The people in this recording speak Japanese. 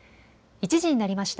１時になりました。